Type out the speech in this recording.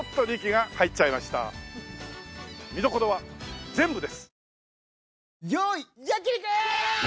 見どころは全部です。